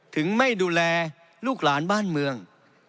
ถึงไม่ดูแลลูกหลานบ้านเมือง